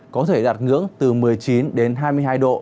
có thể đạt ngưỡng từ một mươi chín đến hai mươi hai độ